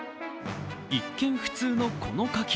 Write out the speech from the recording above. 一見、普通のこの牡蠣。